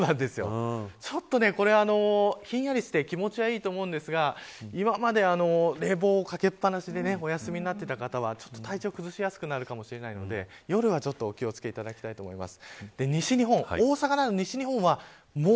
ちょっとこれは、ひんやりして気持ちがいいと思うんですが今まで冷房をかけっぱなしでお休みになっていた方は体調をくずしやすくなるかもしれないので夜はお気を付けいただきたいと思います。